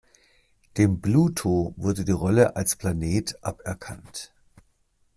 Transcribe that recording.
Dem Pluto wurde die Rolle als Planet aberkannt.